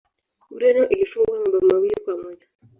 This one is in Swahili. ureno ilifungwa mabao mawili kwa moja